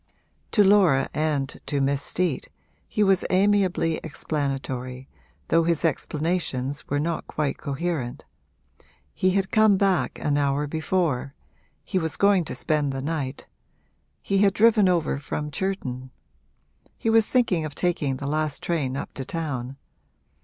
To Laura and to Miss Steet he was amiably explanatory, though his explanations were not quite coherent. He had come back an hour before he was going to spend the night he had driven over from Churton he was thinking of taking the last train up to town.